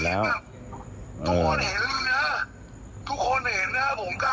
และผมไม่เคยสนใจ